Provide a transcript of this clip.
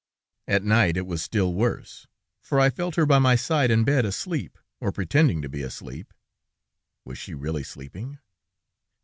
"At night it was still worse, for I felt her by my side in bed asleep, or pretending to be asleep! Was she really sleeping?